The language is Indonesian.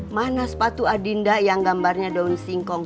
mana sepatu adinda yang gambarnya daun singkong